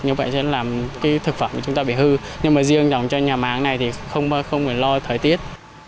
như vậy sẽ làm thực phẩm của chúng ta bị hư nhưng mà riêng dòng cho nhà máng này thì không phải lo thời tiết